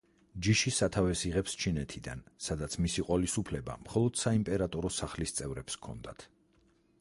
ჯიში სათავეს იღებს ჩინეთიდან, სადაც მისი ყოლის უფლება მხოლოდ საიმპერატორო სასახლის წევრებს ჰქონდათ.